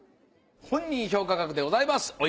本人評価額でございます。